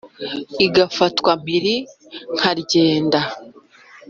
Igafatwa mpiri Karyenda.